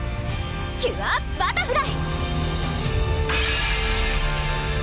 キュアバタフライ！